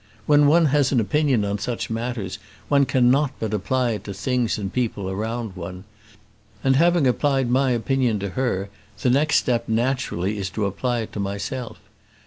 When one has an opinion on such matters, one cannot but apply it to things and people around one; and having applied my opinion to her, the next step naturally is to apply it to myself.